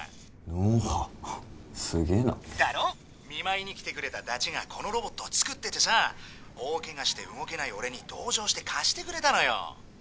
見舞いに来てくれただちがこのロボットを作っててさ大ケガして動けない俺に同情して貸してくれたのよ。